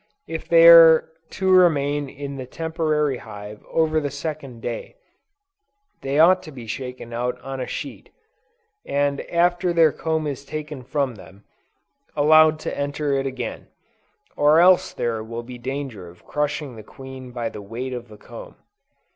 If they are to remain in the temporary hive over the second day, they ought to be shaken out on a sheet, and after their comb is taken from them, allowed to enter it again, or else there will be danger of crushing the queen by the weight of the comb.